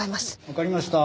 わかりました。